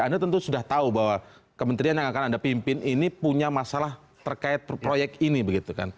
anda tentu sudah tahu bahwa kementerian yang akan anda pimpin ini punya masalah terkait proyek ini begitu kan